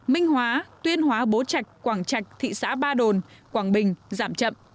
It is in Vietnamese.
minh hóa tuyên hóa bố trạch quảng trạch thị xã ba đồn quảng bình giảm chậm